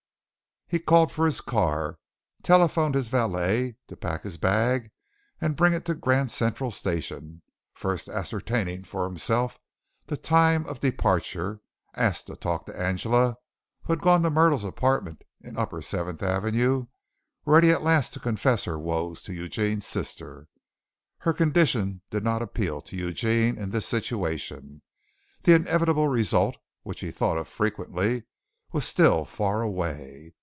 He called for his car, telephoned his valet to pack his bag and bring it to the Grand Central Station, first ascertaining for himself the time of departure, asked to talk to Angela, who had gone to Myrtle's apartment in upper Seventh Avenue, ready at last to confess her woes to Eugene's sister. Her condition did not appeal to Eugene in this situation. The inevitable result, which he thought of frequently, was still far away.